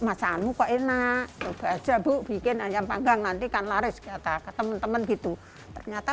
masaanmu kok enak coba aja bu bikin ayam panggang nanti kan laris kata ke temen temen gitu ternyata